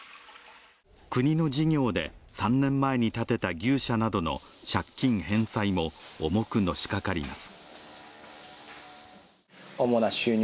国の事業で３年前に建てた牛舎などの借金返済も重くのしかかります。